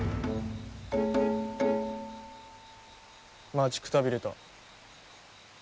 待ちくたびれた。